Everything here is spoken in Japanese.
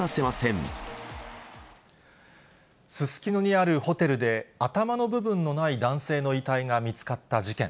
すすきのにあるホテルで、頭の部分のない男性の遺体が見つかった事件。